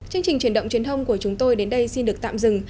chương trình truyền động truyền thông của chúng tôi đến đây xin được tạm dừng